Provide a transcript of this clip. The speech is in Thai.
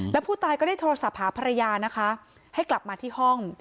แล้วผู้ตายก็ได้โทรศัพท์หาภรรยานะคะให้กลับมาที่ห้อง